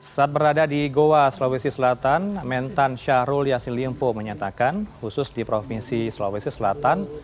saat berada di goa sulawesi selatan mentan syahrul yassin limpo menyatakan khusus di provinsi sulawesi selatan